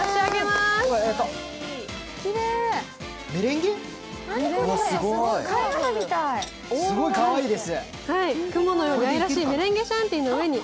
すごいかわいいです。